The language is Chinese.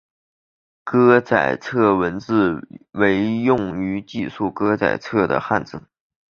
歌仔册文字为用于记述歌仔册的汉字。